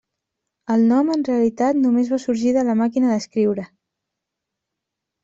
El nom, en realitat, només va sorgir de la màquina d'escriure.